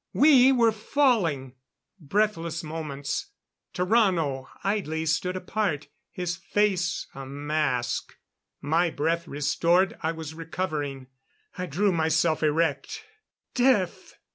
We were falling! Breathless moments! Tarrano idly stood apart; his face a mask. My breath restored, I was recovering. I drew myself erect. Death!